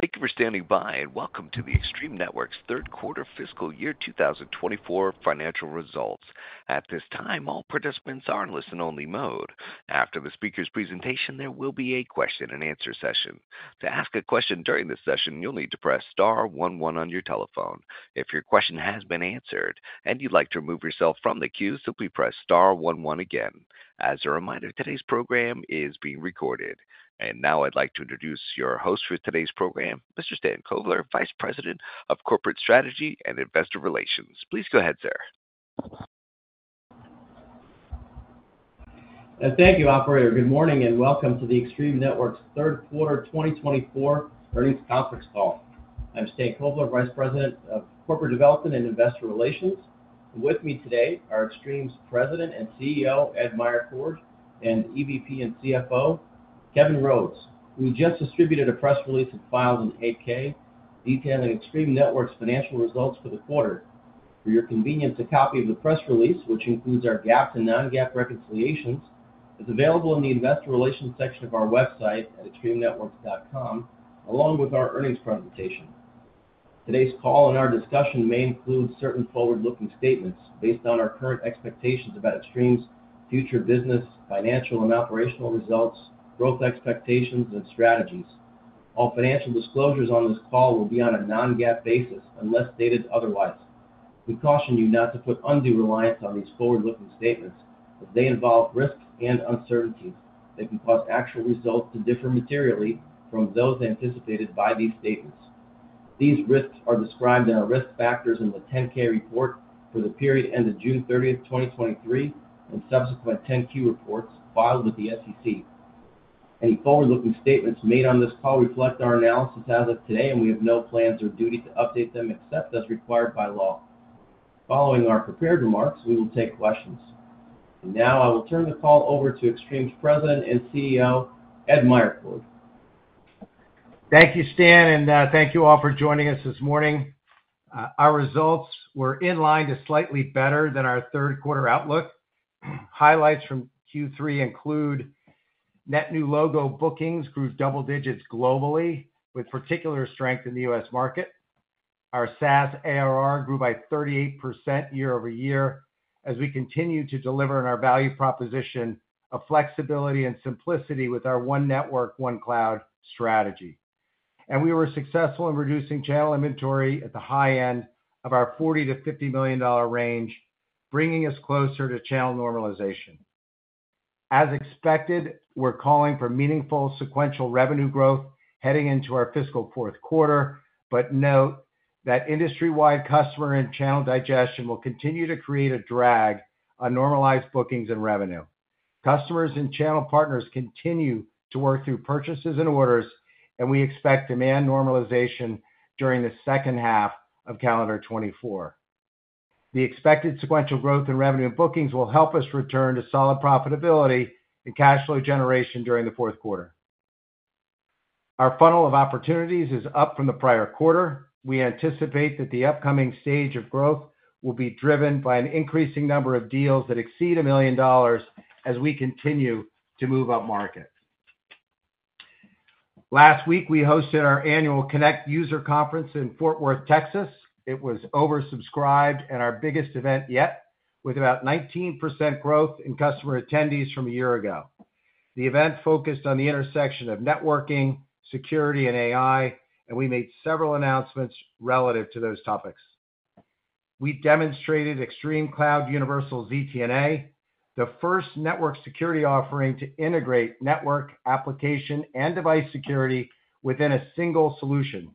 Thank you for standing by and welcome to the Extreme Networks third quarter fiscal year 2024 financial results. At this time, all participants are in listen-only mode. After the speaker's presentation, there will be a question-and-answer session. To ask a question during this session, you'll need to press star one one on your telephone. If your question has been answered and you'd like to remove yourself from the queue, simply press star one one again. As a reminder, today's program is being recorded. And now I'd like to introduce your host for today's program, Mr. Stan Kovler, Vice President of Corporate Strategy and Investor Relations. Please go ahead, sir. Thank you, operator. Good morning and welcome to the Extreme Networks third quarter 2024 earnings conference call. I'm Stan Kovler, Vice President of Corporate Development and Investor Relations. With me today are Extreme's President and CEO Ed Meyercord and EVP and CFO Kevin Rhodes. We just distributed a press release and filed an 8-K detailing Extreme Networks' financial results for the quarter. For your convenience, a copy of the press release, which includes our GAAP and non-GAAP reconciliations, is available in the Investor Relations section of our website at extremenetworks.com, along with our earnings presentation. Today's call and our discussion may include certain forward-looking statements based on our current expectations about Extreme's future business, financial, and operational results, growth expectations, and strategies. All financial disclosures on this call will be on a non-GAAP basis unless stated otherwise. We caution you not to put undue reliance on these forward-looking statements as they involve risks and uncertainties that can cause actual results to differ materially from those anticipated by these statements. These risks are described in our risk factors in the 10-K report for the period ended June 30, 2023, and subsequent 10-Q reports filed with the SEC. Any forward-looking statements made on this call reflect our analysis as of today, and we have no plans or duty to update them except as required by law. Following our prepared remarks, we will take questions. And now I will turn the call over to Extreme's President and CEO Ed Meyercord. Thank you, Stan, and thank you all for joining us this morning. Our results were in line to slightly better than our third quarter outlook. Highlights from Q3 include: Net new logo bookings grew double digits globally, with particular strength in the U.S. market. Our SaaS ARR grew by 38% year-over-year as we continue to deliver in our value proposition of flexibility and simplicity with our One Network, One Cloud strategy. And we were successful in reducing channel inventory at the high end of our $40 million-$50 million range, bringing us closer to channel normalization. As expected, we're calling for meaningful sequential revenue growth heading into our fiscal fourth quarter, but note that industry-wide customer and channel digestion will continue to create a drag on normalized bookings and revenue. Customers and channel partners continue to work through purchases and orders, and we expect demand normalization during the second half of calendar 2024. The expected sequential growth in revenue and bookings will help us return to solid profitability and cash flow generation during the fourth quarter. Our funnel of opportunities is up from the prior quarter. We anticipate that the upcoming stage of growth will be driven by an increasing number of deals that exceed $1 million as we continue to move up market. Last week, we hosted our annual Connect User Conference in Fort Worth, Texas. It was oversubscribed and our biggest event yet, with about 19% growth in customer attendees from a year ago. The event focused on the intersection of networking, security, and AI, and we made several announcements relative to those topics. We demonstrated ExtremeCloud Universal ZTNA, the first network security offering to integrate network, application, and device security within a single solution.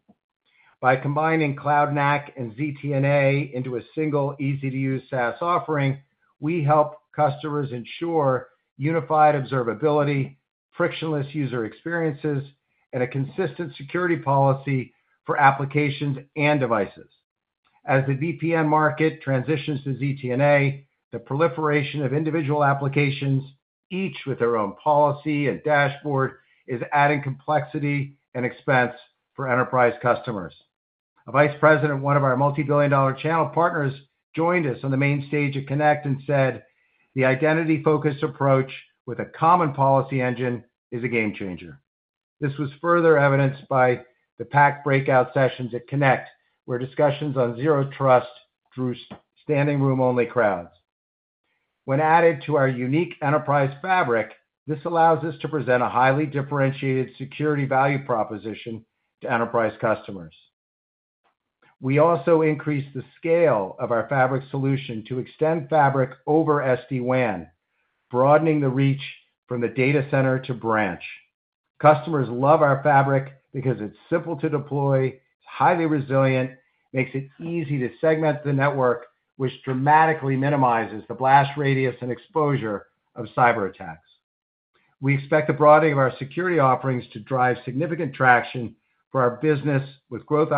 By combining Cloud NAC and ZTNA into a single, easy-to-use SaaS offering, we help customers ensure unified observability, frictionless user experiences, and a consistent security policy for applications and devices. As the VPN market transitions to ZTNA, the proliferation of individual applications, each with their own policy and dashboard, is adding complexity and expense for enterprise customers. Vice President, one of our multi-billion dollar channel partners, joined us on the main stage at Connect and said, "The identity-focused approach with a common policy engine is a game changer." This was further evidenced by the packed breakout sessions at Connect, where discussions on zero trust drew standing room-only crowds. When added to our unique enterprise fabric, this allows us to present a highly differentiated security value proposition to enterprise customers. We also increased the scale of our fabric solution to extend fabric over SD-WAN, broadening the reach from the data center to branch. Customers love our fabric because it's simple to deploy, it's highly resilient, makes it easy to segment the network, which dramatically minimizes the blast radius and exposure of cyberattacks. We expect the broadening of our security offerings to drive significant traction for our business with growth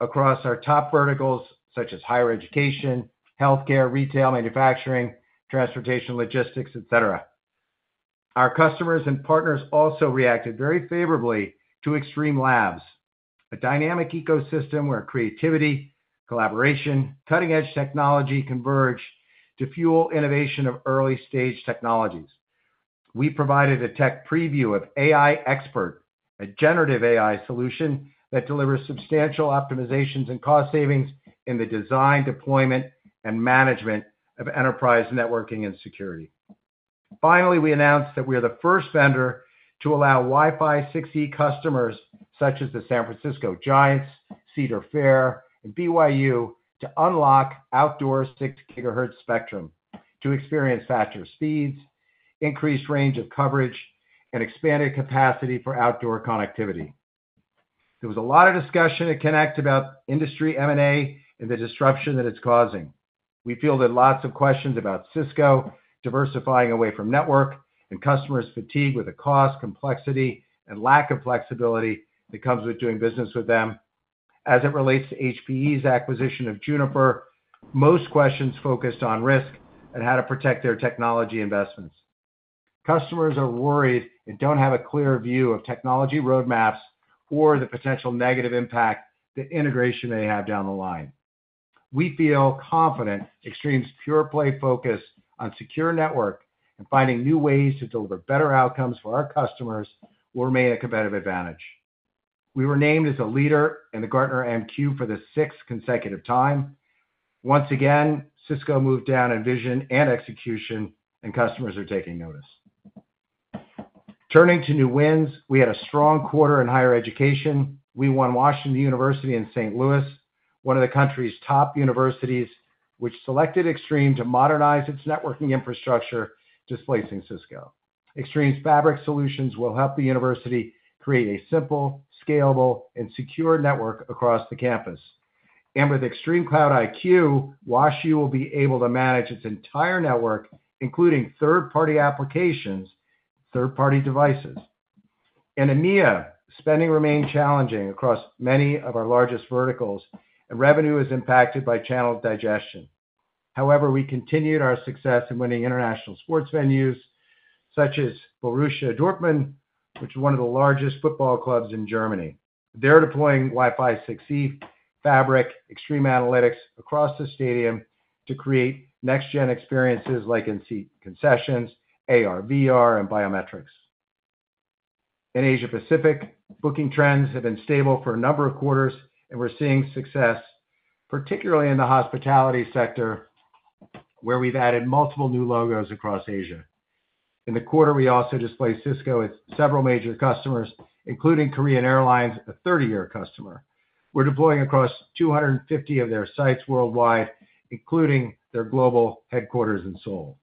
opportunities across our top verticals such as higher education, healthcare, retail, manufacturing, transportation, logistics, etc. Our customers and partners also reacted very favorably to Extreme Labs, a dynamic ecosystem where creativity, collaboration, and cutting-edge technology converge to fuel innovation of early-stage technologies. We provided a tech preview of AI Expert, a generative AI solution that delivers substantial optimizations and cost savings in the design, deployment, and management of enterprise networking and security. Finally, we announced that we are the first vendor to allow Wi-Fi 6E customers such as the San Francisco Giants, Cedar Fair, and BYU to unlock outdoor 6 GHz spectrum to experience faster speeds, increased range of coverage, and expanded capacity for outdoor connectivity. There was a lot of discussion at Connect about industry M&A and the disruption that it's causing. We fielded lots of questions about Cisco diversifying away from network and customers' fatigue with the cost, complexity, and lack of flexibility that comes with doing business with them. As it relates to HPE's acquisition of Juniper, most questions focused on risk and how to protect their technology investments. Customers are worried and don't have a clear view of technology roadmaps or the potential negative impact that integration may have down the line. We feel confident Extreme's pure-play focus on secure network and finding new ways to deliver better outcomes for our customers will remain a competitive advantage. We were named as a leader in the Gartner MQ for the sixth consecutive time. Once again, Cisco moved down in vision and execution, and customers are taking notice. Turning to new wins, we had a strong quarter in higher education. We won Washington University in St. Louis, one of the country's top universities, which selected Extreme to modernize its networking infrastructure, displacing Cisco. Extreme's fabric solutions will help the university create a simple, scalable, and secure network across the campus. With ExtremeCloud IQ, WashU will be able to manage its entire network, including third-party applications and third-party devices. In EMEA, spending remained challenging across many of our largest verticals, and revenue is impacted by channel digestion. However, we continued our success in winning international sports venues such as Borussia Dortmund, which is one of the largest football clubs in Germany. They're deploying Wi-Fi 6E fabric, ExtremeAnalytics, across the stadium to create next-gen experiences like in-seat concessions, AR/VR, and biometrics. In Asia-Pacific, booking trends have been stable for a number of quarters, and we're seeing success, particularly in the hospitality sector, where we've added multiple new logos across Asia. In the quarter, we also displaced Cisco with several major customers, including Korean Air, a 30-year customer. We're deploying across 250 of their sites worldwide, including their global headquarters in Seoul.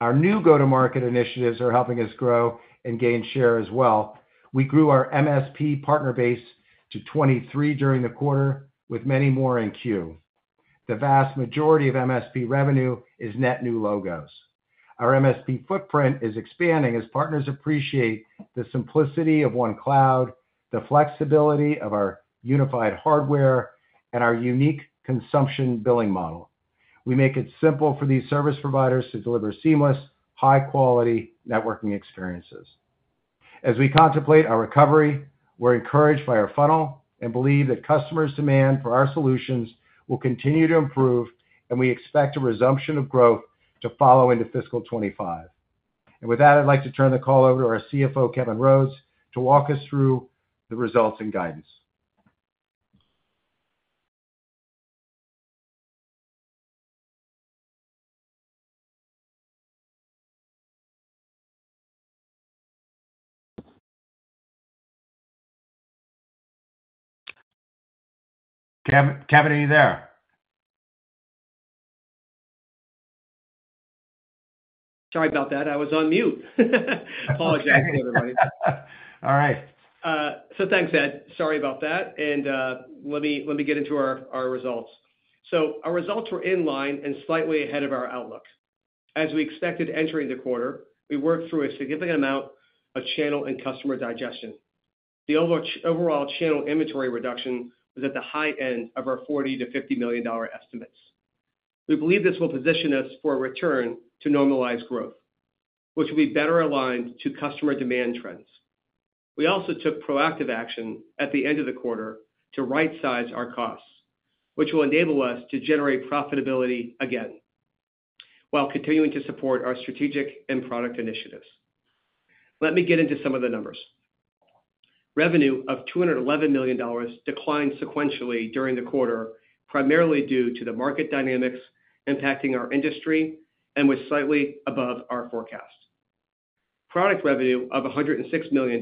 Our new go-to-market initiatives are helping us grow and gain share as well. We grew our MSP partner base to 23 during the quarter, with many more in queue. The vast majority of MSP revenue is net new logos. Our MSP footprint is expanding as partners appreciate the simplicity of One Cloud, the flexibility of our unified hardware, and our unique consumption billing model. We make it simple for these service providers to deliver seamless, high-quality networking experiences. As we contemplate our recovery, we're encouraged by our funnel and believe that customers' demand for our solutions will continue to improve, and we expect a resumption of growth to follow into fiscal 2025. And with that, I'd like to turn the call over to our CFO, Kevin Rhodes, to walk us through the results and guidance. Kevin, are you there? Sorry about that. I was on mute. Apologize to everybody. All right. So thanks, Ed. Sorry about that. Let me get into our results. Our results were in line and slightly ahead of our outlook. As we expected entering the quarter, we worked through a significant amount of channel and customer digestion. The overall channel inventory reduction was at the high end of our $40 million-$50 million estimates. We believe this will position us for a return to normalized growth, which will be better aligned to customer demand trends. We also took proactive action at the end of the quarter to right-size our costs, which will enable us to generate profitability again while continuing to support our strategic and product initiatives. Let me get into some of the numbers. Revenue of $211 million declined sequentially during the quarter, primarily due to the market dynamics impacting our industry and was slightly above our forecast. Product revenue of $106 million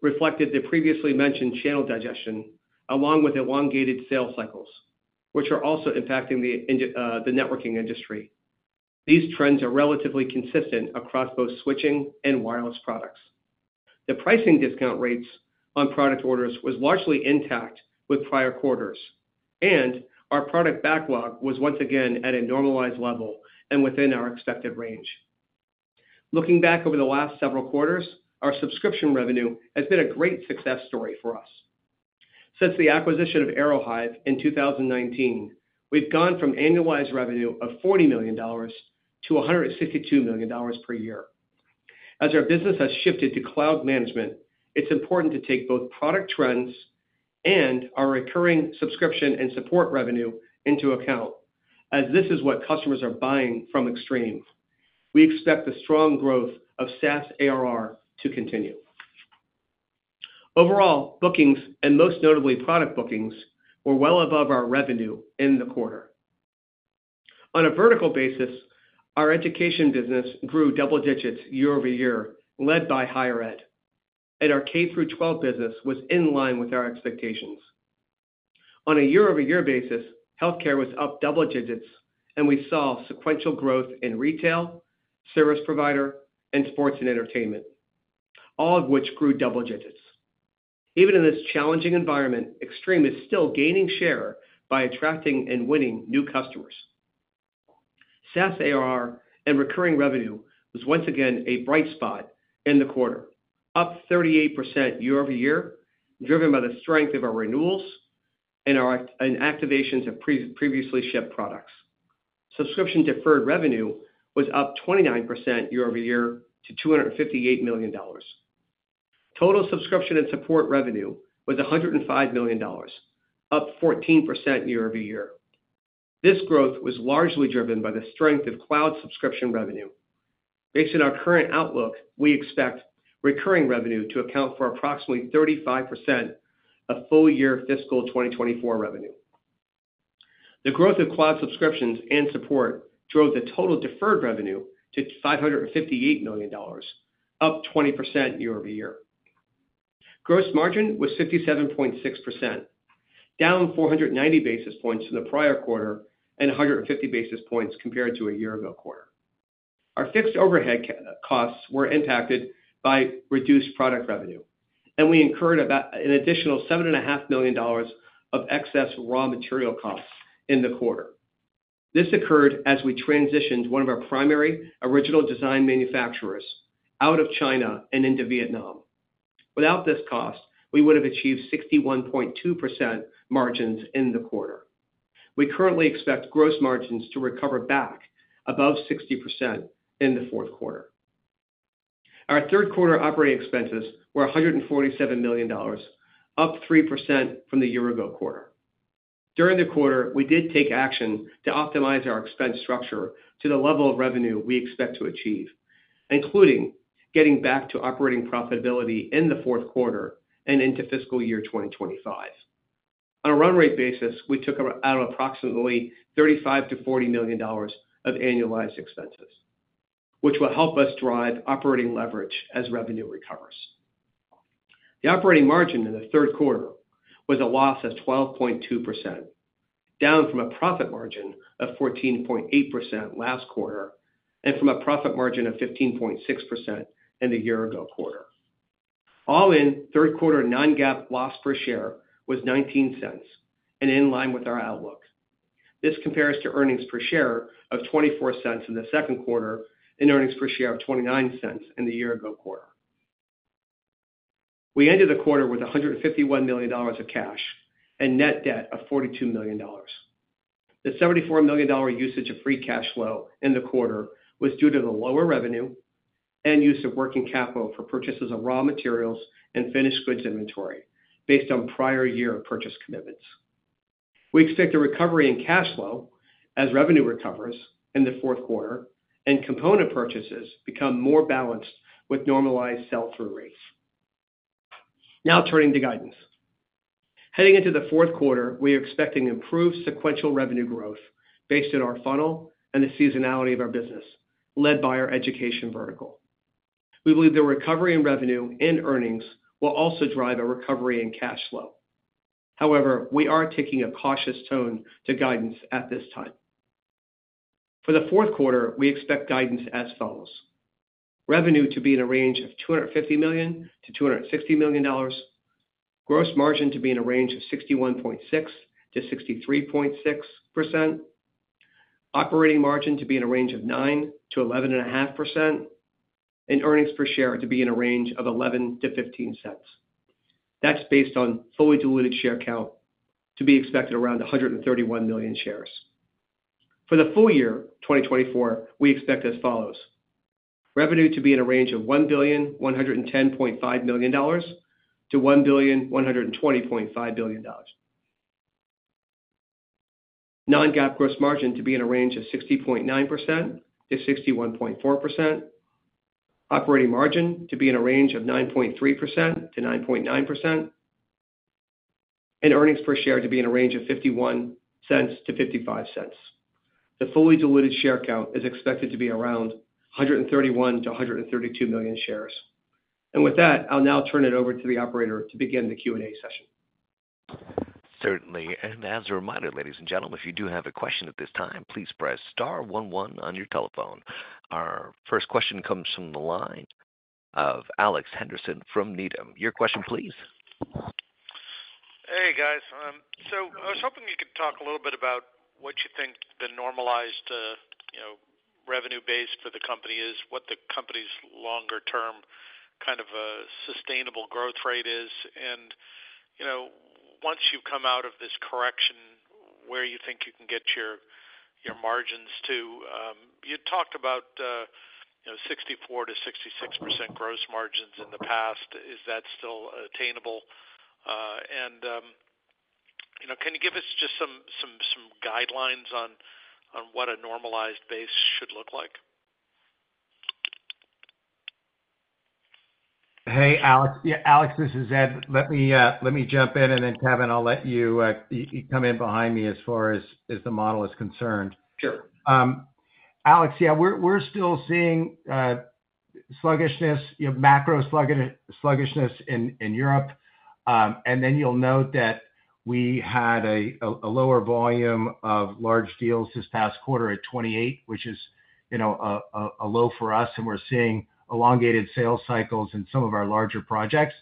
reflected the previously mentioned channel digestion, along with elongated sales cycles, which are also impacting the networking industry. These trends are relatively consistent across both switching and wireless products. The pricing discount rates on product orders were largely intact with prior quarters, and our product backlog was once again at a normalized level and within our expected range. Looking back over the last several quarters, our subscription revenue has been a great success story for us. Since the acquisition of Aerohive in 2019, we've gone from annualized revenue of $40 million-$162 million per year. As our business has shifted to cloud management, it's important to take both product trends and our recurring subscription and support revenue into account, as this is what customers are buying from Extreme. We expect the strong growth of SaaS ARR to continue. Overall, bookings, and most notably product bookings, were well above our revenue in the quarter. On a vertical basis, our education business grew double digits year-over-year, led by higher education, and our K-12 business was in line with our expectations. On a year-over-year basis, healthcare was up double digits, and we saw sequential growth in retail, service provider, and sports and entertainment, all of which grew double digits. Even in this challenging environment, Extreme is still gaining share by attracting and winning new customers. SaaS ARR and recurring revenue were once again a bright spot in the quarter, up 38% year-over-year, driven by the strength of our renewals and activations of previously shipped products. Subscription deferred revenue was up 29% year-over-year to $258 million. Total subscription and support revenue was $105 million, up 14% year-over-year. This growth was largely driven by the strength of cloud subscription revenue. Based on our current outlook, we expect recurring revenue to account for approximately 35% of full-year fiscal 2024 revenue. The growth of cloud subscriptions and support drove the total deferred revenue to $558 million, up 20% year-over-year. Gross margin was 57.6%, down 490 basis points from the prior quarter and 150 basis points compared to a year-ago quarter. Our fixed overhead costs were impacted by reduced product revenue, and we incurred an additional $7.5 million of excess raw material costs in the quarter. This occurred as we transitioned one of our primary original design manufacturers out of China and into Vietnam. Without this cost, we would have achieved 61.2% margins in the quarter. We currently expect gross margins to recover back above 60% in the fourth quarter. Our third-quarter operating expenses were $147 million, up 3% from the year-ago quarter. During the quarter, we did take action to optimize our expense structure to the level of revenue we expect to achieve, including getting back to operating profitability in the fourth quarter and into fiscal year 2025. On a run-rate basis, we took out approximately $35 million-$40 million of annualized expenses, which will help us drive operating leverage as revenue recovers. The operating margin in the third quarter was a loss of 12.2%, down from a profit margin of 14.8% last quarter and from a profit margin of 15.6% in the year-ago quarter. All in, third-quarter non-GAAP loss per share was $0.19 and in line with our outlook. This compares to earnings per share of $0.24 in the second quarter and earnings per share of $0.29 in the year-ago quarter. We ended the quarter with $151 million of cash and net debt of $42 million. The $74 million usage of free cash flow in the quarter was due to the lower revenue and use of working capital for purchases of raw materials and finished goods inventory based on prior-year purchase commitments. We expect a recovery in cash flow as revenue recovers in the fourth quarter and component purchases become more balanced with normalized sell-through rates. Now turning to guidance. Heading into the fourth quarter, we are expecting improved sequential revenue growth based on our funnel and the seasonality of our business, led by our education vertical. We believe the recovery in revenue and earnings will also drive a recovery in cash flow. However, we are taking a cautious tone to guidance at this time. For the fourth quarter, we expect guidance as follows: revenue to be in a range of $250 million-$260 million, gross margin to be in a range of 61.6%-63.6%, operating margin to be in a range of 9%-11.5%, and earnings per share to be in a range of $0.11-$0.15. That's based on fully diluted share count to be expected around 131 million shares. For the full year 2024, we expect as follows: revenue to be in a range of $1,110.5 million-$1,120.5 million, non-GAAP gross margin to be in a range of 60.9%-61.4%, operating margin to be in a range of 9.3%-9.9%, and earnings per share to be in a range of $0.51-$0.55. The fully diluted share count is expected to be around 131-132 million shares. With that, I'll now turn it over to the operator to begin the Q&A session. Certainly. And as a reminder, ladies and gentlemen, if you do have a question at this time, please press star one one on your telephone. Our first question comes from the line of Alex Henderson from Needham. Your question, please. Hey, guys. So I was hoping you could talk a little bit about what you think the normalized revenue base for the company is, what the company's longer-term kind of sustainable growth rate is, and once you've come out of this correction, where you think you can get your margins to? You talked about 64%-66% gross margins in the past. Is that still attainable? And can you give us just some guidelines on what a normalized base should look like? Hey, Alex. Yeah, Alex, this is Ed. Let me jump in, and then, Kevin, I'll let you come in behind me as far as the model is concerned. Alex, yeah, we're still seeing sluggishness, macro sluggishness in Europe. And then you'll note that we had a lower volume of large deals this past quarter at 28, which is a low for us, and we're seeing elongated sales cycles in some of our larger projects.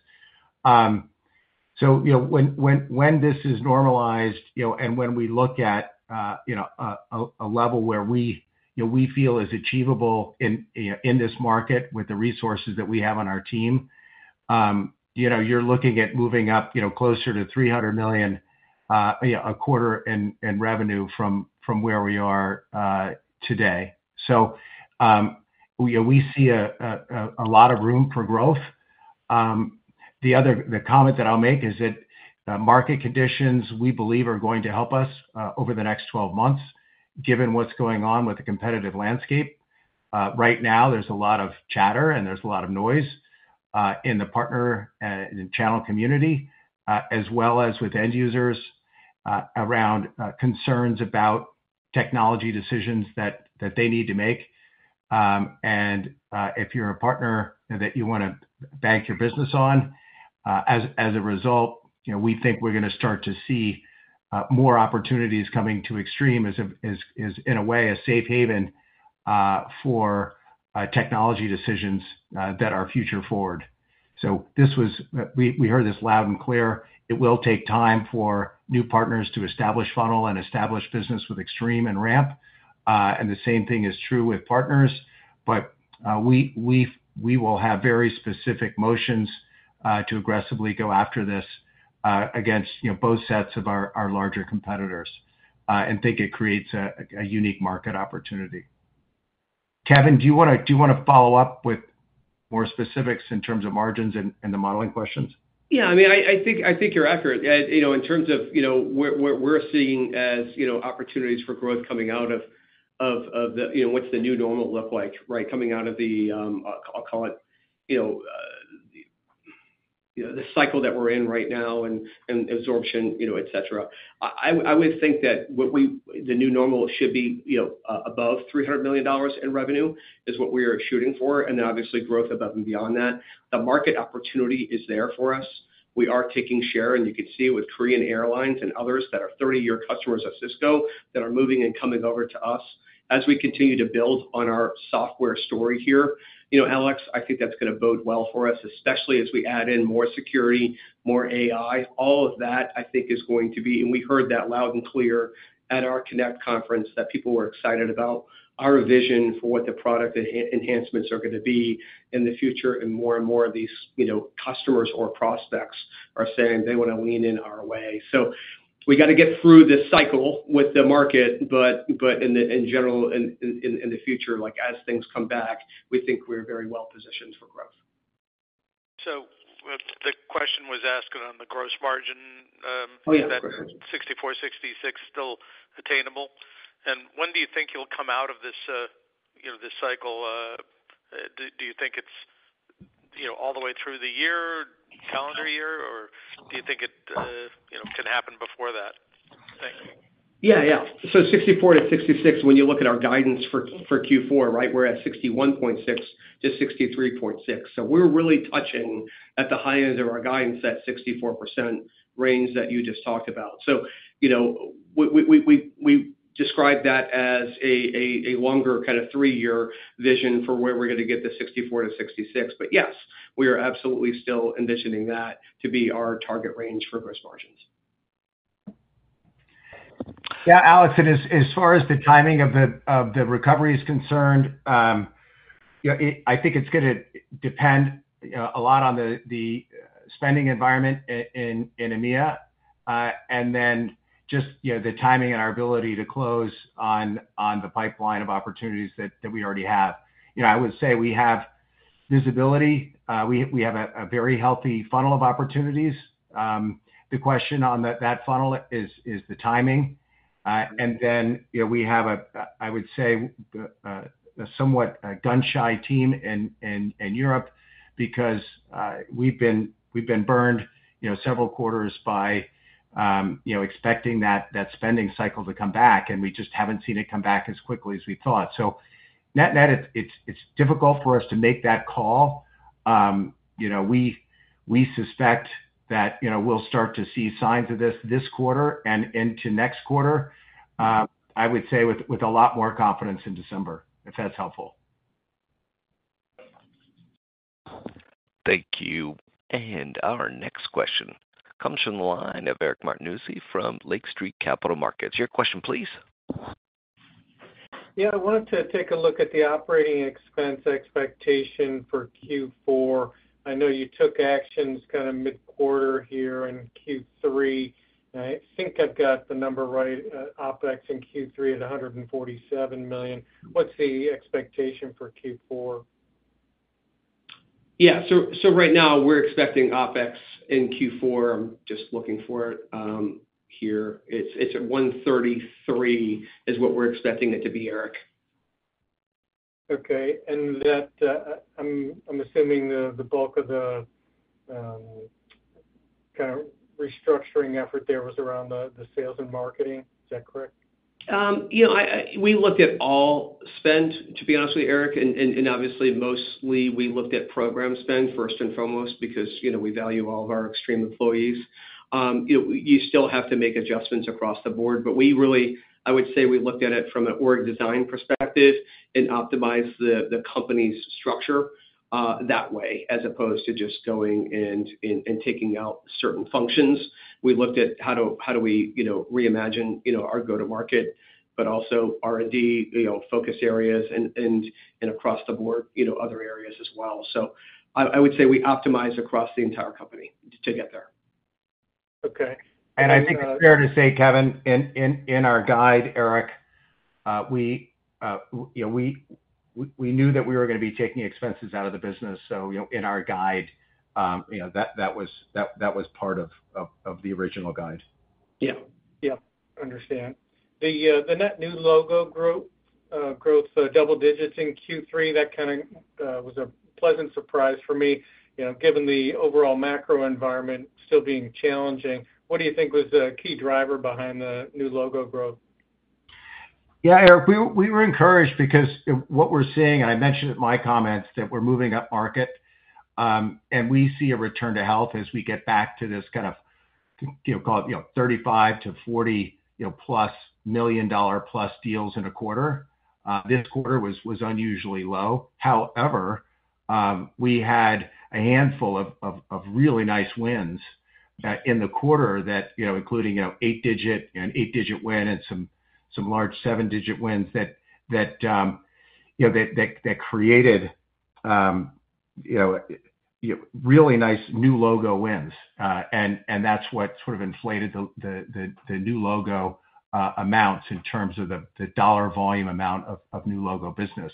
So when this is normalized and when we look at a level where we feel is achievable in this market with the resources that we have on our team, you're looking at moving up closer to $300 million a quarter in revenue from where we are today. So we see a lot of room for growth. The comment that I'll make is that market conditions, we believe, are going to help us over the next 12 months, given what's going on with the competitive landscape. Right now, there's a lot of chatter, and there's a lot of noise in the partner and channel community, as well as with end users around concerns about technology decisions that they need to make. And if you're a partner that you want to bank your business on, as a result, we think we're going to start to see more opportunities coming to Extreme as, in a way, a safe haven for technology decisions that are future-forward. So we heard this loud and clear. It will take time for new partners to establish funnel and establish business with Extreme and Ramp. And the same thing is true with partners. But we will have very specific motions to aggressively go after this against both sets of our larger competitors and think it creates a unique market opportunity. Kevin, do you want to follow up with more specifics in terms of margins and the modeling questions? Yeah. I mean, I think you're accurate. In terms of what we're seeing as opportunities for growth coming out of the what's the new normal look like, right, coming out of the I'll call it the cycle that we're in right now and absorption, etc. I would think that the new normal should be above $300 million in revenue is what we are shooting for, and then, obviously, growth above and beyond that. The market opportunity is there for us. We are taking share, and you can see it with Korean Air and others that are 30-year customers of Cisco that are moving and coming over to us as we continue to build on our software story here. Alex, I think that's going to bode well for us, especially as we add in more security, more AI. All of that, I think, is going to be, and we heard that loud and clear at our Connect conference that people were excited about our vision for what the product enhancements are going to be in the future, and more and more of these customers or prospects are saying they want to lean in our way. So we got to get through this cycle with the market, but in general, in the future, as things come back, we think we're very well positioned for growth. The question was asked on the gross margin. Is that 64, 66 still attainable? When do you think you'll come out of this cycle? Do you think it's all the way through the year, calendar year, or do you think it can happen before that? Yeah, yeah. So 64%-66%, when you look at our guidance for Q4, right, we're at 61.6%-63.6%. So we're really touching at the high end of our guidance, that 64% range that you just talked about. So we describe that as a longer kind of three-year vision for where we're going to get the 64%-66%. But yes, we are absolutely still envisioning that to be our target range for gross margins. Yeah, Alex, and as far as the timing of the recovery is concerned, I think it's going to depend a lot on the spending environment in EMEA and then just the timing and our ability to close on the pipeline of opportunities that we already have. I would say we have visibility. We have a very healthy funnel of opportunities. The question on that funnel is the timing. And then we have, I would say, a somewhat gun-shy team in Europe because we've been burned several quarters by expecting that spending cycle to come back, and we just haven't seen it come back as quickly as we thought. So net-net, it's difficult for us to make that call. We suspect that we'll start to see signs of this this quarter and into next quarter, I would say, with a lot more confidence in December, if that's helpful. Thank you. Our next question comes from the line of Eric Martinuzzi from Lake Street Capital Markets. Your question, please. Yeah, I wanted to take a look at the operating expense expectation for Q4. I know you took actions kind of mid-quarter here in Q3. I think I've got the number right. OPEX in Q3 at $147 million. What's the expectation for Q4? Yeah. Right now, we're expecting OpEx in Q4. I'm just looking for it here. It's at $133 is what we're expecting it to be, Eric. Okay. And I'm assuming the bulk of the kind of restructuring effort there was around the sales and marketing. Is that correct? We looked at all spend, to be honest with you, Eric. Obviously, mostly, we looked at program spend, first and foremost, because we value all of our Extreme employees. You still have to make adjustments across the board. I would say we looked at it from an org design perspective and optimized the company's structure that way, as opposed to just going and taking out certain functions. We looked at how do we reimagine our go-to-market, but also R&D focus areas and across the board, other areas as well. I would say we optimized across the entire company to get there. Okay. I think it's fair to say, Kevin, in our guide, Eric, we knew that we were going to be taking expenses out of the business. In our guide, that was part of the original guide. Yeah. Yeah. Understand. The net new logo growth, double digits in Q3, that kind of was a pleasant surprise for me. Given the overall macro environment still being challenging, what do you think was the key driver behind the new logo growth? Yeah, Eric, we were encouraged because what we're seeing and I mentioned it in my comments that we're moving up market, and we see a return to health as we get back to this kind of call it $35 million-$40 million plus deals in a quarter. This quarter was unusually low. However, we had a handful of really nice wins in the quarter, including an eight-digit win and some large seven-digit wins that created really nice new logo wins. And that's what sort of inflated the new logo amounts in terms of the dollar volume amount of new logo business.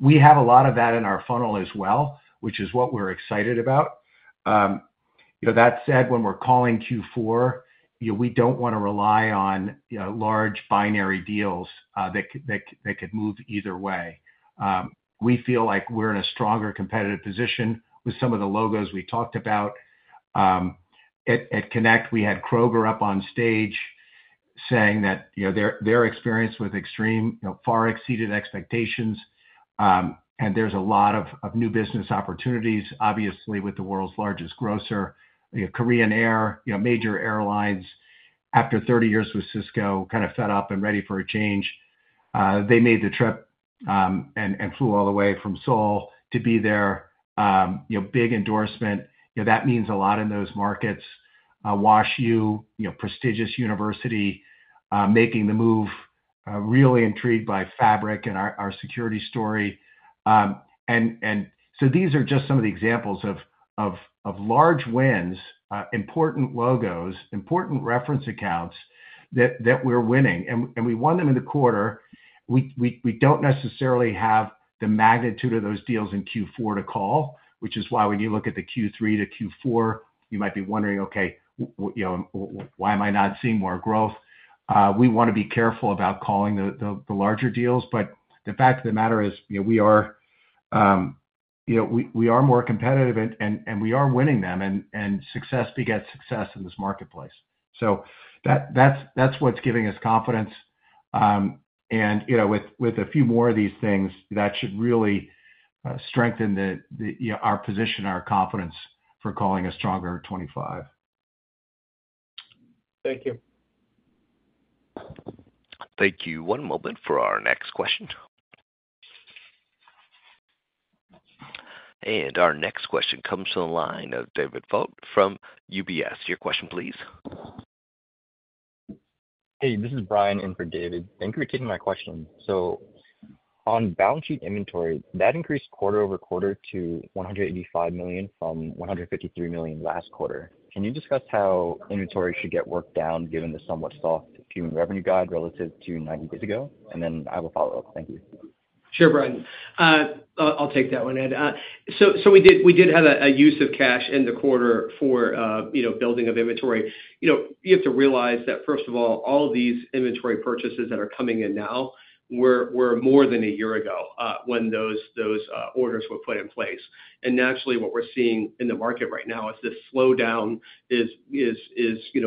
We have a lot of that in our funnel as well, which is what we're excited about. That said, when we're calling Q4, we don't want to rely on large binary deals that could move either way. We feel like we're in a stronger competitive position with some of the logos we talked about. At Connect, we had Kroger up on stage saying that their experience with Extreme far exceeded expectations, and there's a lot of new business opportunities, obviously, with the world's largest grocer, Korean Air, major airlines. After 30 years with Cisco, kind of fed up and ready for a change, they made the trip and flew all the way from Seoul to be there. Big endorsement. That means a lot in those markets. WashU, prestigious university, making the move, really intrigued by Fabric and our security story. And so these are just some of the examples of large wins, important logos, important reference accounts that we're winning. We won them in the quarter. We don't necessarily have the magnitude of those deals in Q4 to call, which is why when you look at the Q3 to Q4, you might be wondering, "Okay, why am I not seeing more growth?" We want to be careful about calling the larger deals. But the fact of the matter is we are more competitive, and we are winning them, and success begets success in this marketplace. So that's what's giving us confidence. And with a few more of these things, that should really strengthen our position, our confidence for calling a stronger 2025. Thank you. Thank you. One moment for our next question. Our next question comes from the line of David Vogt from UBS. Your question, please. Hey, this is Brian in for David. Thank you for taking my question. So on balance sheet inventory, that increased quarter-over-quarter to $185 million from $153 million last quarter. Can you discuss how inventory should get worked down given the somewhat soft Q2 revenue guide relative to 90 days ago? And then I will follow up. Thank you. Sure, Brian. I'll take that one, Ed. So we did have a use of cash in the quarter for building of inventory. You have to realize that, first of all, all of these inventory purchases that are coming in now were more than a year ago when those orders were put in place. And naturally, what we're seeing in the market right now is this slowdown is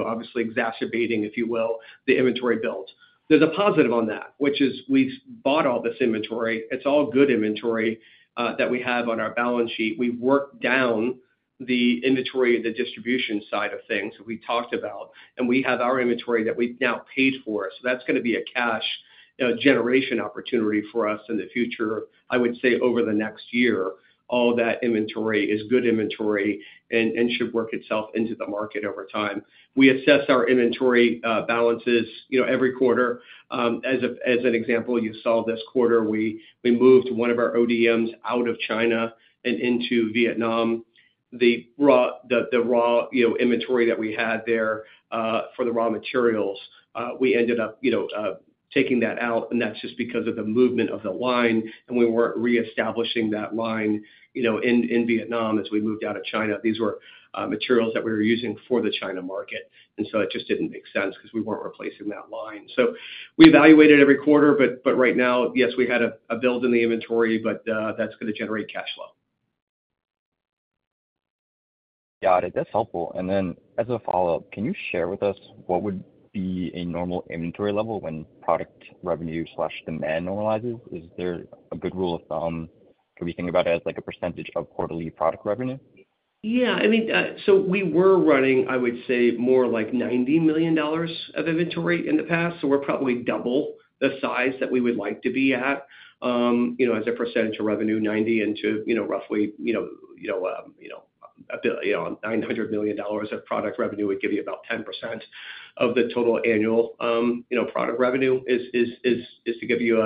obviously exacerbating, if you will, the inventory build. There's a positive on that, which is we've bought all this inventory. It's all good inventory that we have on our balance sheet. We've worked down the inventory and the distribution side of things that we talked about, and we have our inventory that we've now paid for. So that's going to be a cash generation opportunity for us in the future, I would say, over the next year. All that inventory is good inventory and should work itself into the market over time. We assess our inventory balances every quarter. As an example, you saw this quarter, we moved one of our ODMs out of China and into Vietnam. The raw inventory that we had there for the raw materials, we ended up taking that out, and that's just because of the movement of the line. And we weren't reestablishing that line in Vietnam as we moved out of China. These were materials that we were using for the China market. And so it just didn't make sense because we weren't replacing that line. So we evaluate every quarter, but right now, yes, we had a build in the inventory, but that's going to generate cash flow. Got it. That's helpful. And then as a follow-up, can you share with us what would be a normal inventory level when product revenue/demand normalizes? Is there a good rule of thumb? Can we think about it as a percentage of quarterly product revenue? Yeah. I mean, so we were running, I would say, more like $90 million of inventory in the past. So we're probably double the size that we would like to be at as a percentage of revenue, 90 into roughly $900 million of product revenue would give you about 10% of the total annual product revenue is to give you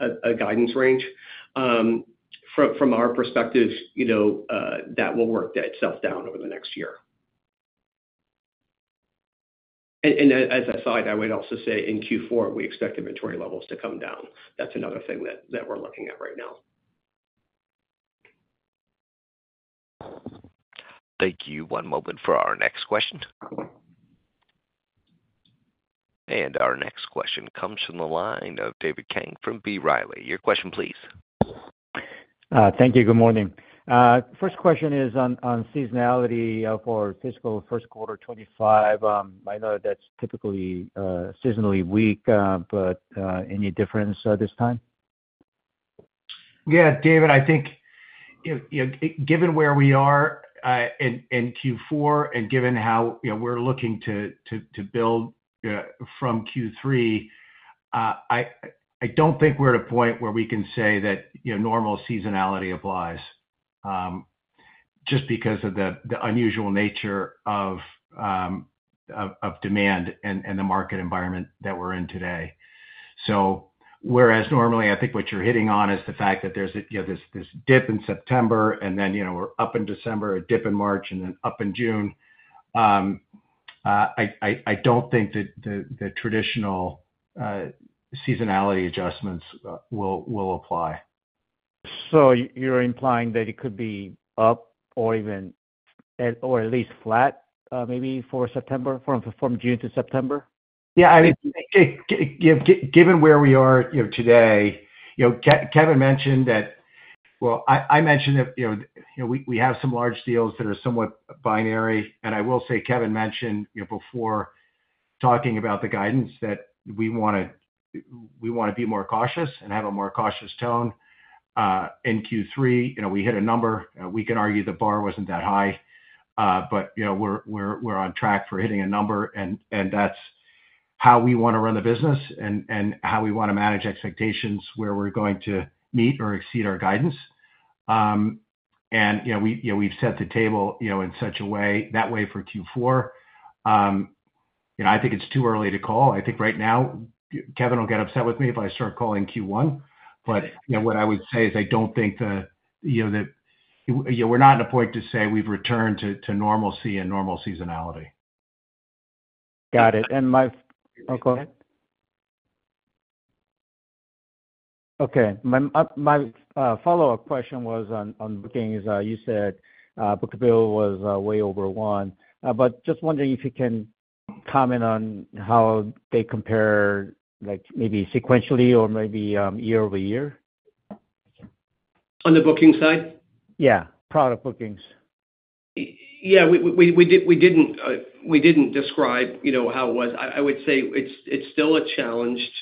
a guidance range. From our perspective, that will work itself down over the next year. And as a side, I would also say in Q4, we expect inventory levels to come down. That's another thing that we're looking at right now. Thank you. One moment for our next question. Our next question comes from the line of David Kang from B. Riley. Your question, please. Thank you. Good morning. First question is on seasonality for fiscal first quarter 2025. I know that that's typically seasonally weak, but any difference this time? Yeah, David, I think given where we are in Q4 and given how we're looking to build from Q3, I don't think we're at a point where we can say that normal seasonality applies just because of the unusual nature of demand and the market environment that we're in today. So whereas normally, I think what you're hitting on is the fact that there's this dip in September, and then we're up in December, a dip in March, and then up in June. I don't think that the traditional seasonality adjustments will apply. So you're implying that it could be up or at least flat, maybe, from June to September? Yeah. I mean, given where we are today, Kevin mentioned that, well, I mentioned that we have some large deals that are somewhat binary. And I will say, Kevin mentioned before talking about the guidance that we want to be more cautious and have a more cautious tone in Q3. We hit a number. We can argue the bar wasn't that high, but we're on track for hitting a number. And that's how we want to run the business and how we want to manage expectations, where we're going to meet or exceed our guidance. And we've set the table in that way for Q4. I think it's too early to call. I think right now, Kevin will get upset with me if I start calling Q1. What I would say is I don't think that we're not at a point to say we've returned to normalcy and normal seasonality. Got it. Oh, go ahead. Okay. My follow-up question was on bookings. You said book-to-bill was way over one. But just wondering if you can comment on how they compare, maybe sequentially or maybe year-over-year? On the booking side? Yeah. Product bookings. Yeah. We didn't describe how it was. I would say it's still a challenged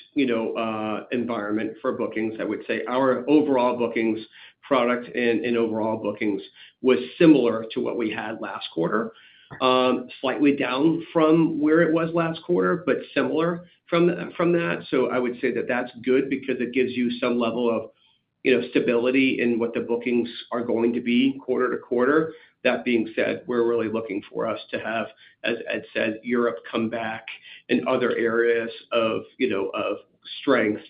environment for bookings, I would say. Our overall bookings, product in overall bookings, was similar to what we had last quarter, slightly down from where it was last quarter, but similar from that. So I would say that that's good because it gives you some level of stability in what the bookings are going to be quarter-to-quarter. That being said, we're really looking for us to have, as Ed said, Europe come back and other areas of strength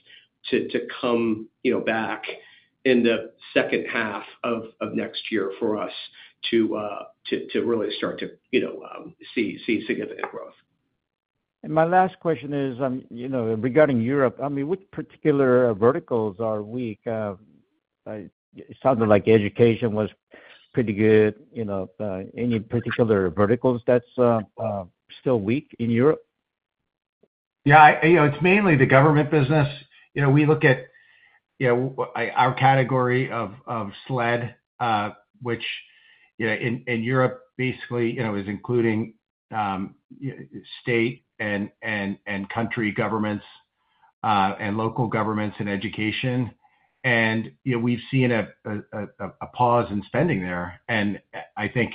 to come back in the second half of next year for us to really start to see significant growth. My last question is regarding Europe. I mean, which particular verticals are weak? It sounded like education was pretty good. Any particular verticals that's still weak in Europe? Yeah. It's mainly the government business. We look at our category of SLED, which in Europe, basically, is including state and country governments and local governments and education. And we've seen a pause in spending there. And I think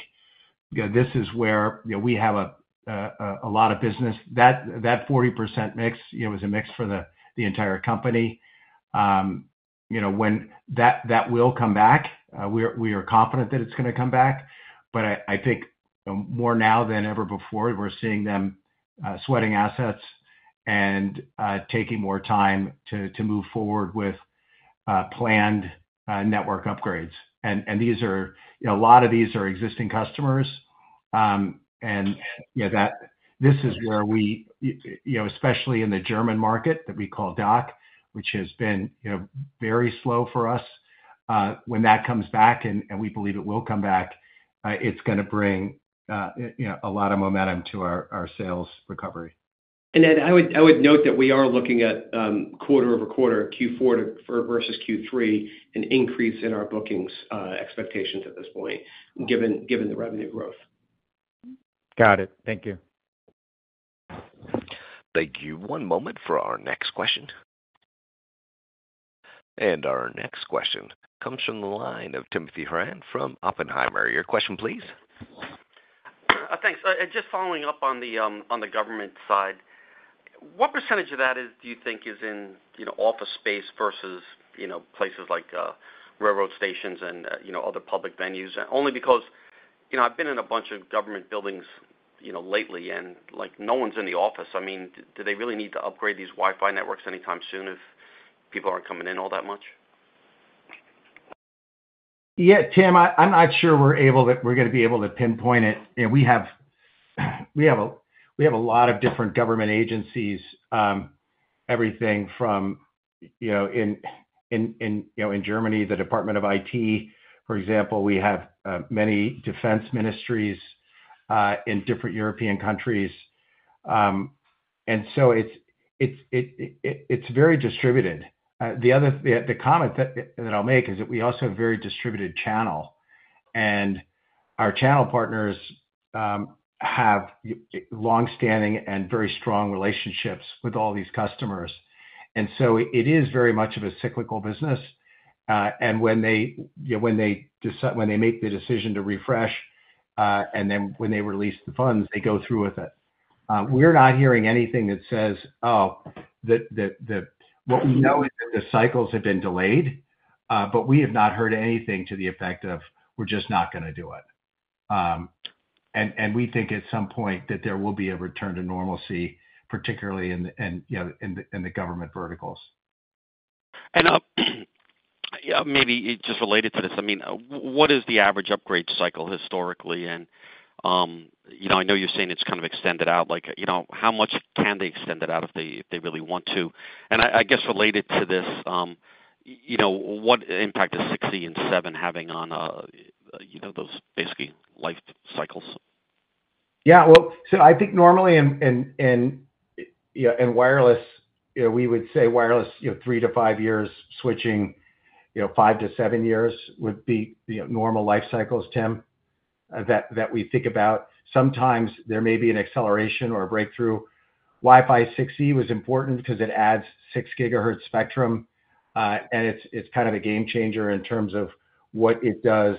this is where we have a lot of business. That 40% mix was a mix for the entire company. When that will come back, we are confident that it's going to come back. But I think more now than ever before, we're seeing them sweating assets and taking more time to move forward with planned network upgrades. And a lot of these are existing customers. And this is where we, especially in the German market that we call DACH, which has been very slow for us. When that comes back, and we believe it will come back, it's going to bring a lot of momentum to our sales recovery. Ed, I would note that we are looking at quarter-over-quarter, Q4 versus Q3, an increase in our bookings expectations at this point, given the revenue growth. Got it. Thank you. Thank you. One moment for our next question. Our next question comes from the line of Timothy Horan from Oppenheimer. Your question, please. Thanks. Just following up on the government side, what percentage of that do you think is in office space versus places like railroad stations and other public venues? Only because I've been in a bunch of government buildings lately, and no one's in the office. I mean, do they really need to upgrade these Wi-Fi networks anytime soon if people aren't coming in all that much? Yeah, Tim, I'm not sure we're going to be able to pinpoint it. We have a lot of different government agencies, everything from in Germany, the Department of IT, for example, we have many defense ministries in different European countries. And so it's very distributed. The comment that I'll make is that we also have a very distributed channel. And our channel partners have longstanding and very strong relationships with all these customers. And so it is very much of a cyclical business. And when they make the decision to refresh, and then when they release the funds, they go through with it. We're not hearing anything that says, "Oh," what we know is that the cycles have been delayed, but we have not heard anything to the effect of, "We're just not going to do it." We think at some point that there will be a return to normalcy, particularly in the government verticals. And maybe just related to this, I mean, what is the average upgrade cycle historically? And I know you're saying it's kind of extended out. How much can they extend it out if they really want to? And I guess related to this, what impact does 6E and 7 having on those basically life cycles? Yeah. Well, so I think normally in wireless, we would say wireless three to five years, switching five to seven years would be normal life cycles, Tim, that we think about. Sometimes there may be an acceleration or a breakthrough. Wi-Fi 6E was important because it adds 6 GHz spectrum. And it's kind of a game changer in terms of what it does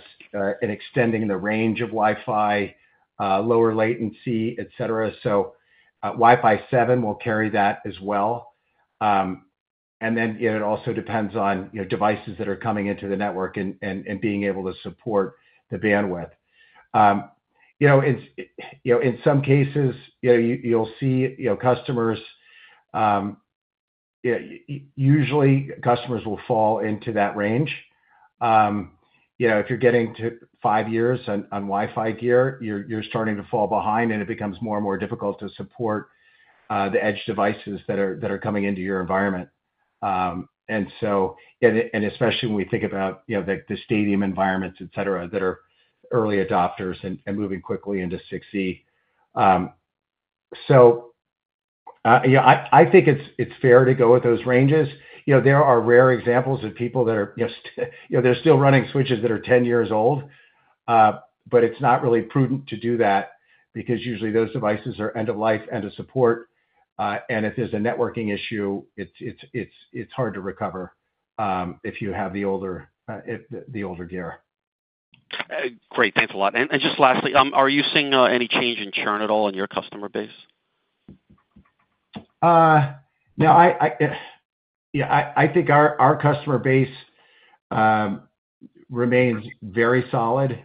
in extending the range of Wi-Fi, lower latency, etc. So Wi-Fi 7 will carry that as well. And then it also depends on devices that are coming into the network and being able to support the bandwidth. In some cases, you'll see customers usually, customers will fall into that range. If you're getting to five years on Wi-Fi gear, you're starting to fall behind, and it becomes more and more difficult to support the edge devices that are coming into your environment. Especially when we think about the stadium environments, etc., that are early adopters and moving quickly into 6E. I think it's fair to go with those ranges. There are rare examples of people that are still running switches that are 10 years old, but it's not really prudent to do that because usually those devices are end-of-life, end-of-support. If there's a networking issue, it's hard to recover if you have the older gear. Great. Thanks a lot. And just lastly, are you seeing any change in churn at all in your customer base? Now, I think our customer base remains very solid.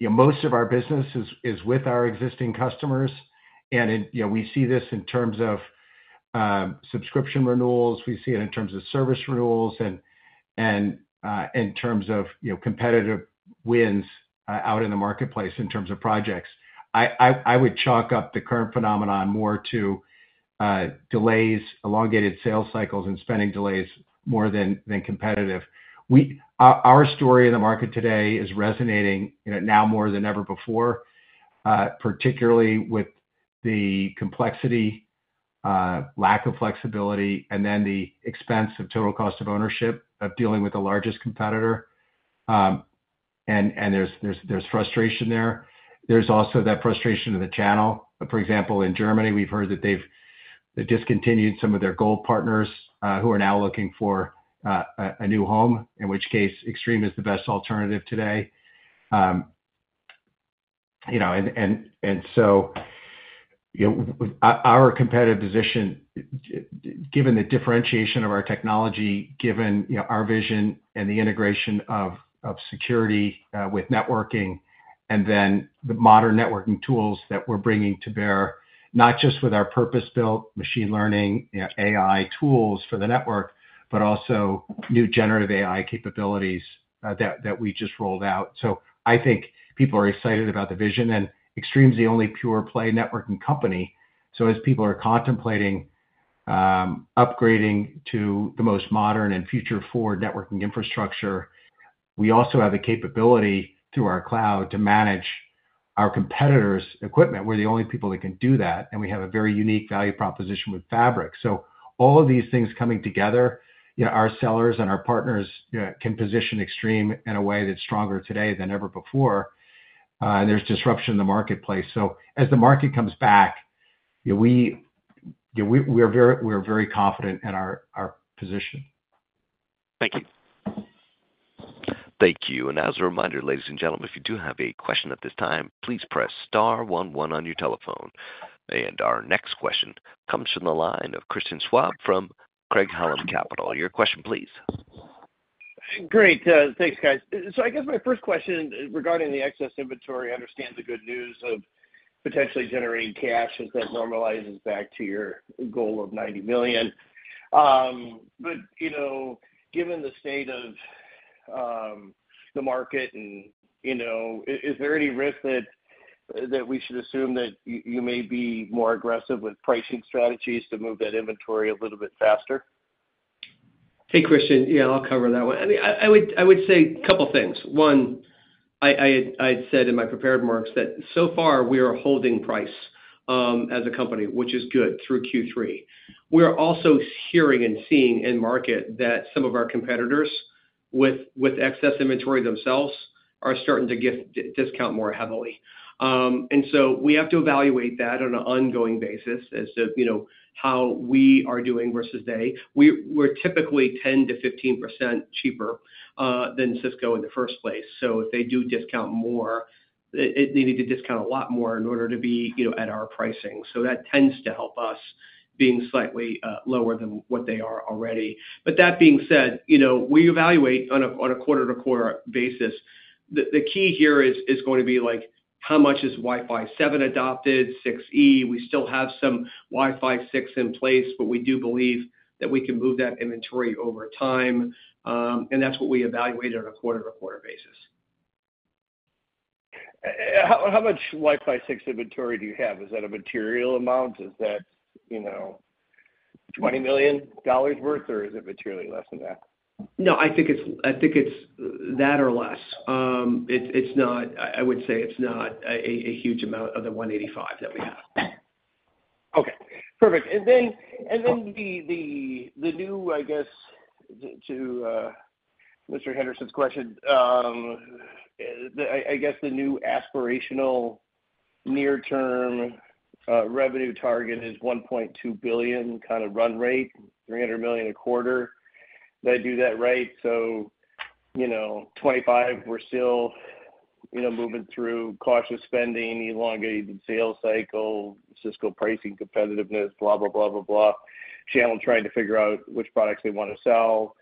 Most of our business is with our existing customers. We see this in terms of subscription renewals. We see it in terms of service renewals and in terms of competitive wins out in the marketplace in terms of projects. I would chalk up the current phenomenon more to delays, elongated sales cycles, and spending delays more than competitive. Our story in the market today is resonating now more than ever before, particularly with the complexity, lack of flexibility, and then the expense of total cost of ownership of dealing with the largest competitor. There's frustration there. There's also that frustration of the channel. For example, in Germany, we've heard that they've discontinued some of their gold partners who are now looking for a new home, in which case Extreme is the best alternative today. Our competitive position, given the differentiation of our technology, given our vision and the integration of security with networking, and then the modern networking tools that we're bringing to bear, not just with our purpose-built machine learning, AI tools for the network, but also new generative AI capabilities that we just rolled out. I think people are excited about the vision. Extreme is the only pure-play networking company. As people are contemplating upgrading to the most modern and future-forward networking infrastructure, we also have the capability through our cloud to manage our competitors' equipment. We're the only people that can do that. We have a very unique value proposition with Fabric. All of these things coming together, our sellers and our partners can position Extreme in a way that's stronger today than ever before. There's disruption in the marketplace. As the market comes back, we are very confident in our position. Thank you. Thank you. As a reminder, ladies and gentlemen, if you do have a question at this time, please press star one one on your telephone. Our next question comes from the line of Christian Schwab from Craig-Hallum Capital Group. Your question, please. Great. Thanks, guys. So I guess my first question regarding the excess inventory, I understand the good news of potentially generating cash as that normalizes back to your goal of $90 million. But given the state of the market, is there any risk that we should assume that you may be more aggressive with pricing strategies to move that inventory a little bit faster? Hey, Christian. Yeah, I'll cover that one. I mean, I would say a couple of things. One, I had said in my prepared remarks that so far, we are holding price as a company, which is good through Q3. We are also hearing and seeing in market that some of our competitors with excess inventory themselves are starting to discount more heavily. And so we have to evaluate that on an ongoing basis as to how we are doing versus they. We're typically 10%-15% cheaper than Cisco in the first place. So if they do discount more, they need to discount a lot more in order to be at our pricing. So that tends to help us being slightly lower than what they are already. But that being said, we evaluate on a quarter-to-quarter basis. The key here is going to be how much is Wi-Fi 7 adopted, Wi-Fi 6E? We still have some Wi-Fi 6 in place, but we do believe that we can move that inventory over time. That's what we evaluate on a quarter-to-quarter basis. How much Wi-Fi 6 inventory do you have? Is that a material amount? Is that $20 million worth, or is it materially less than that? No, I think it's that or less. I would say it's not a huge amount of the 185 that we have. Okay. Perfect. And then the new, I guess, to Mr. Henderson's question, I guess the new aspirational near-term revenue target is $1.2 billion kind of run rate, $300 million a quarter. Did I do that right? So 2025, we're still moving through cautious spending, elongated sales cycle, Cisco pricing competitiveness, blah, blah, blah, blah, blah, channel trying to figure out which products they want to sell.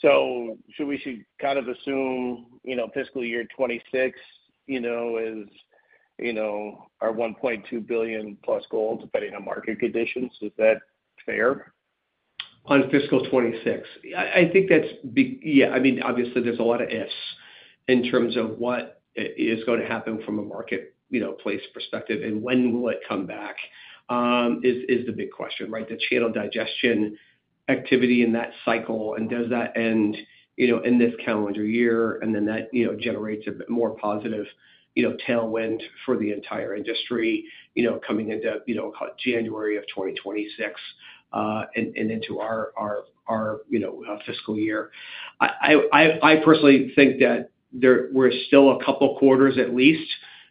So we should kind of assume fiscal year 2026 is our $1.2 billion+ goal depending on market conditions. Is that fair? On fiscal 2026? Yeah. I mean, obviously, there's a lot of ifs in terms of what is going to happen from a marketplace perspective, and when will it come back is the big question, right? The channel digestion activity in that cycle, and does that end in this calendar year, and then that generates a bit more positive tailwind for the entire industry coming into January of 2026 and into our fiscal year? I personally think that we're still a couple of quarters at least,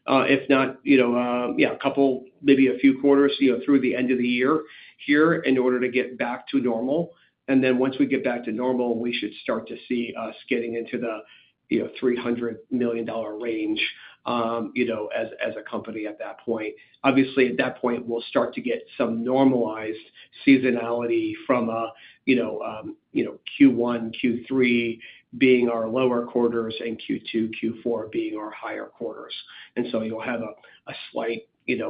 if not, yeah, a couple, maybe a few quarters through the end of the year here in order to get back to normal. And then once we get back to normal, we should start to see us getting into the $300 million range as a company at that point. Obviously, at that point, we'll start to get some normalized seasonality from Q1, Q3 being our lower quarters, and Q2, Q4 being our higher quarters. And so you'll have a slight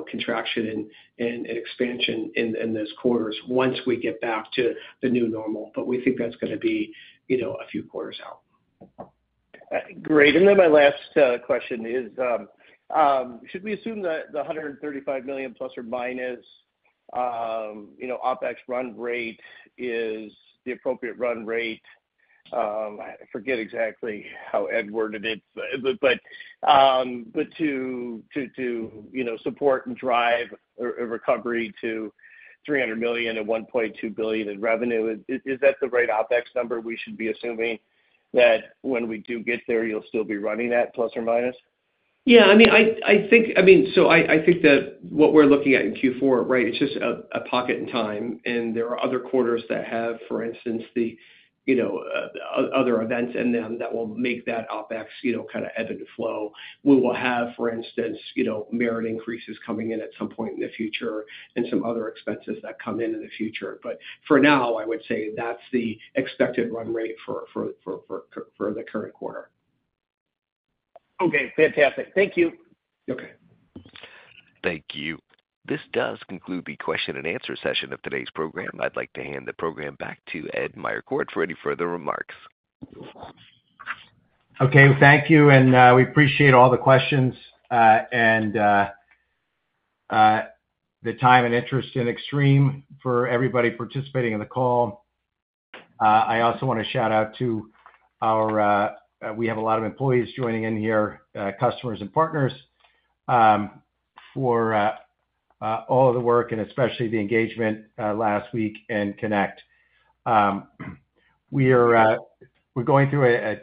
contraction and expansion in those quarters once we get back to the new normal. But we think that's going to be a few quarters out. Great. Then my last question is, should we assume that the $135 million ± OpEx run rate is the appropriate run rate? I forget exactly how Ed worded it. To support and drive a recovery to $300 million and $1.2 billion in revenue, is that the right OpEx number? We should be assuming that when we do get there, you'll still be running that ±? Yeah. I mean, so I think that what we're looking at in Q4, right, it's just a pocket in time. There are other quarters that have, for instance, the other events in them that will make that OpEx kind of ebb and flow. We will have, for instance, merit increases coming in at some point in the future and some other expenses that come in in the future. But for now, I would say that's the expected run rate for the current quarter. Okay. Fantastic. Thank you. Okay. Thank you. This does conclude the question-and-answer session of today's program. I'd like to hand the program back to Ed Meyercord for any further remarks. Okay. Thank you. And we appreciate all the questions and the time and interest in Extreme for everybody participating in the call. I also want to shout out to our we have a lot of employees joining in here, customers and partners, for all of the work and especially the engagement last week in Connect. We're going through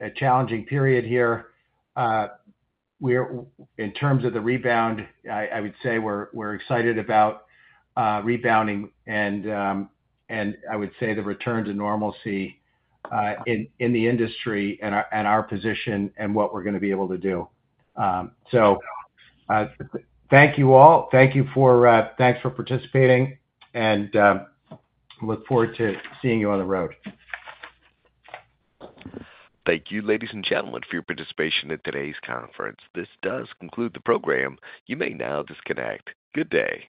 a challenging period here. In terms of the rebound, I would say we're excited about rebounding and I would say the return to normalcy in the industry and our position and what we're going to be able to do. So thank you all. Thanks for participating. And look forward to seeing you on the road. Thank you, ladies and gentlemen, for your participation in today's conference. This does conclude the program. You may now disconnect. Good day.